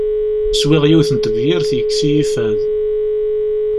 Swiɣ yiwet n tebyirt yekkes-iyi fad.